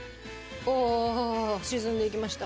おお沈んでいきました。